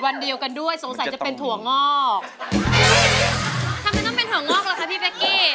อ้าวมันต้องเป็นห่องอกเหรอค่ะพี่แป๊กกี้